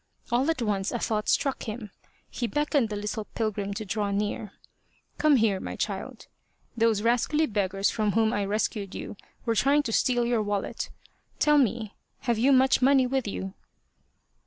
All at once a thought struck him. He beckoned the little pilgrim to draw near. " Come here, my child ! Those rascally beggars from whom I rescued you were trying to steal your wallet. Tell me, have you much money with you